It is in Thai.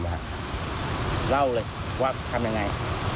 เล่าเลยว่าทำยังไง